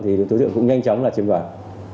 thì đối tượng cũng nhanh chóng là chiếm gọi